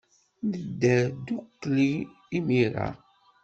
Nedder ddukkli imir-a.